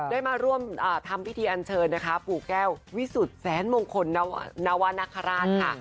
ได้มาร่วมทำพิธีอันเชิญนะคะปู่แก้ววิสุทธิ์แสนมงคลนวรรณคราชค่ะ